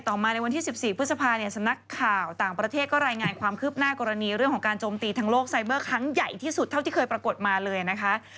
มาในวันที่๑๔พฤษภาเนี่ยสำนักข่าวต่างประเทศก็รายงานความคืบหน้ากรณีเรื่องของการโจมตีทางโลกไซเบอร์ครั้งใหญ่ที่สุดเท่าที่เคยปรากฏมาเลยนะคะ